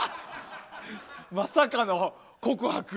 まさかの告白。